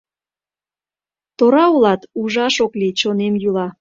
Тора улат, ужаш ок лий, чонем йӱла.